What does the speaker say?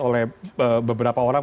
oleh beberapa orang